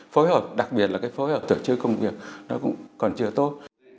phối hợp đặc biệt là cái phối hợp tổ chức công việc nó cũng còn chưa tốt